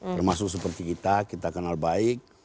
termasuk seperti kita kita kenal baik